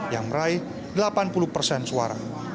yang meraih delapan puluh persen suara